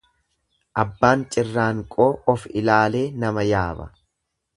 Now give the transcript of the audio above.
Abbaan cirraanqoo of ilaalee nama yaaba.